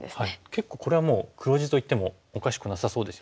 結構これはもう黒地といってもおかしくなさそうですよね。